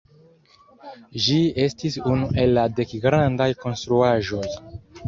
Ĝi estis unu el la "dek grandaj konstruaĵoj".